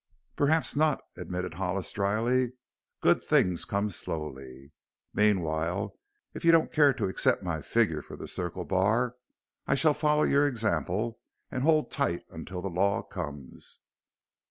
"Perhaps not," admitted Hollis dryly; "good things come slowly. Meanwhile, if you don't care to accept my figure for the Circle Bar I shall follow your example and hold tight until the law comes."